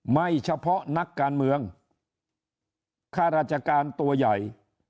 ไม่เฉพาะนักการเมืองข้าราชการตัวใหญ่